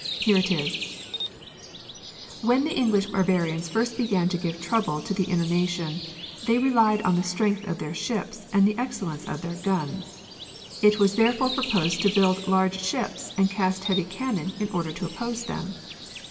Here it is :—" When the English barbarians first began to give trouble to the Inner Nation, they relied on the strength of their ships and the excellence of their guns. It was therefore proposed to build large ships and cast heavy cannon in order to oppose them.